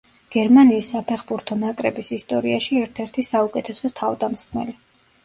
გერმანიის საფეხბურთო ნაკრების ისტორიაში ერთ-ერთი საუკეთესო თავდამსხმელი.